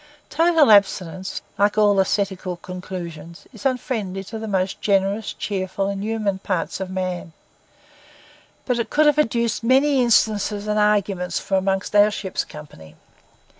Total abstinence, like all ascetical conclusions, is unfriendly to the most generous, cheerful, and human parts of man; but it could have adduced many instances and arguments from among our ship's company.